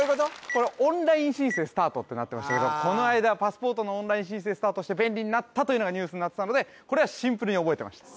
これ「オンライン申請スタート」ってなってましたけどこの間パスポートのオンライン申請スタートして便利になったというのがニュースになってたのでこれはシンプルに覚えてました